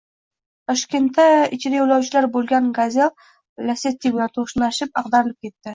Toshkentda ichida yo‘lovchilar bo‘lgan “Gazel” Lacetti bilan to‘qnashib, ag‘darilib ketdi